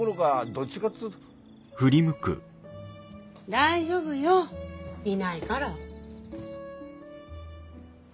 大丈夫よいないから。